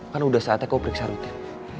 kan udah saatnya kau periksa rutin